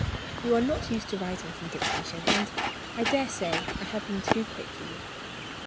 You are not used to writing from dictation; and I daresay I have been too quick for you."